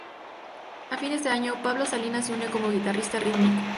A fines de año, Pablo Salinas se unió como guitarrista rítmico.